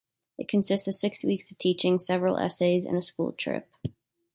It consists of six weeks of teaching, several essays, and a school trip.